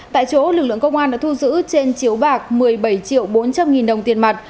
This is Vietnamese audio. tại chỗ lực lượng công an đã thu giữ trên chiếu bạc một mươi bảy triệu bốn trăm linh nghìn đồng tiền mặt